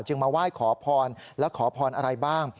มาไหว้ขอพรและขอพรอะไรบ้าง